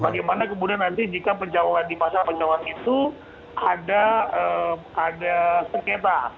bagaimana kemudian nanti jika pencawalan di masalah pencawalan itu ada sengketa